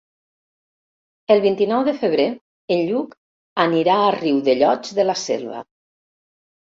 El vint-i-nou de febrer en Lluc anirà a Riudellots de la Selva.